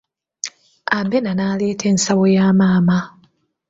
Abena n'aleeta ensawo ya maama.